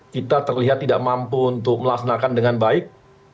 kita terlihat tidak mampu untuk melaksanakan dengan baik